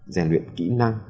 giải luyện kỹ năng